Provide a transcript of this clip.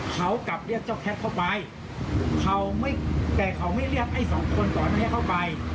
เขากลับเรียกเจ้าแคทเข้าไปแต่เขาไม่เรียกไอ้สองคนก่อนให้เข้าไป